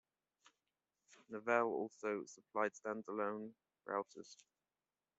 Novell also supplied stand-alone routers.